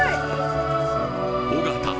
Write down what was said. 尾形